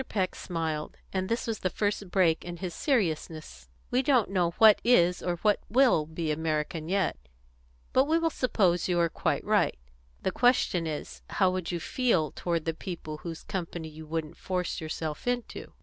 Peck smiled, and this was the first break in his seriousness. "We don't know what is or will be American yet. But we will suppose you are quite right. The question is, how would you feel toward the people whose company you wouldn't force yourself into?"